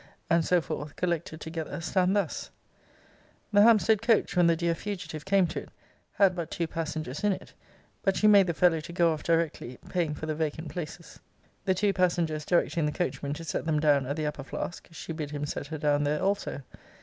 and so forth, collected together, stand thus: 'The Hampstead coach, when the dear fugitive came to it, had but two passengers in it. But she made the fellow to go off directly, paying for the vacant places. 'The two passengers directing the coachman to set them down at the Upper Flask, she bid him set her down there also.